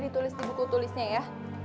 ditulis di buku tulisnya ya